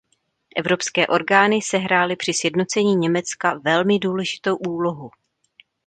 Evropské orgány sehrály při sjednocení Německa velmi důležitou úlohu.